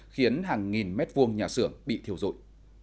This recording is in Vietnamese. khiến hàng nghìn mét vuông nhà xưởng bị thiêu dụi